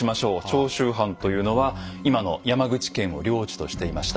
長州藩というのは今の山口県を領地としていました。